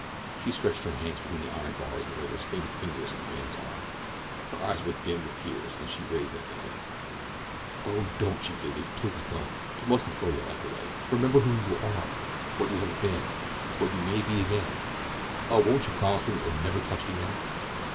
She stretched her hand between the iron bars and laid her slim fingers on the man's arm. Her eyes were dim with tears as she raised them to his. "Oh, don't," she pleaded, "please don't! You mustn't throw your life away. Remember who you are—what you have been—what you may be again. Oh, won't you promise me that you'll never touch it again?"